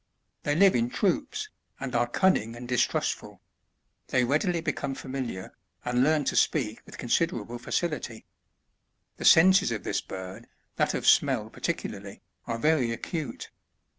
They live in troops, and are cunning and distrustful ; they readily become familiar, and learn to speak with considerable &cility. The senses of this bird, that of smell particularly, are very acute.